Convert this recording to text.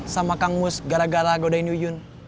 sama kang mus gara gara godain nyuyun